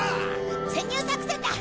潜入作戦だ！